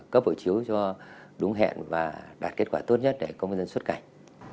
cấp hộ chiếu cho đúng hẹn và đạt kết quả tốt nhất để công dân xuất cảnh